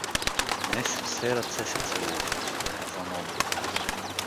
— Днес все ръце се целуват — каза Нона.